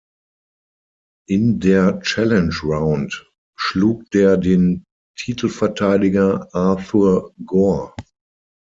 In der "Challenge Round" schlug der den Titelverteidiger Arthur Gore.